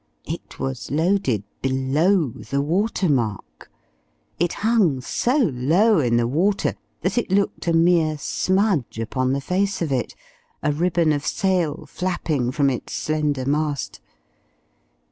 It was loaded below the water mark! It hung so low in the water that it looked a mere smudge upon the face of it, a ribbon of sail flapping from its slender mast.